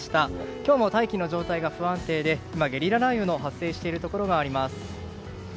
今日も大気の状態が不安定で今、ゲリラ雷雨の発生しているところがあります。